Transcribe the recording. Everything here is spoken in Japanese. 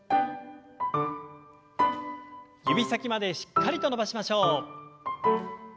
指先までしっかりと伸ばしましょう。